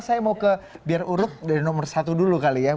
saya mau ke biar uruk dari nomor satu dulu kali ya